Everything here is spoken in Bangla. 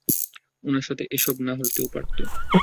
উনার সাথে এসব না হতেও পারতো।